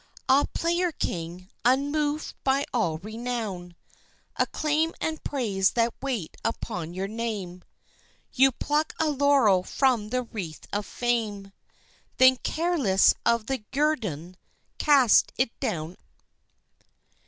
Ah, Player king, unmoved by all renown, Acclaim and praise that wait upon your name, You pluck a laurel from the wreath of fame, Then, careless of the guerdon, cast it down.